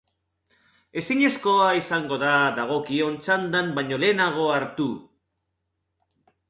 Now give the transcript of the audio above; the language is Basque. Ezinezkoa izango da dagokion txandan baino lehenago hartu.